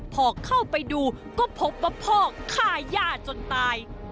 พอเข้าไปดูก็พบว่าพ่อฆ่าย่าจนตาย